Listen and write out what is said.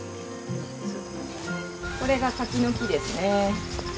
これが柿の木ですね。